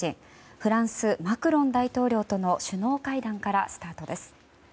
フランス、マクロン大統領との首脳会談からスタートです。